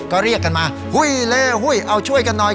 ก็เรียกกันมาหุ้ยเล่หุ้ยเอาช่วยกันหน่อย